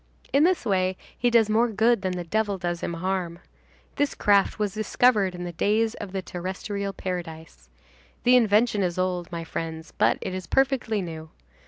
In this way he does more good than the devil does him harm. This craft was discovered in the days of the terrestrial paradise. The invention is old, my friends, but it is perfectly new.